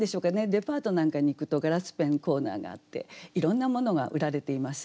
デパートなんかに行くとガラスペンコーナーがあっていろんなものが売られています。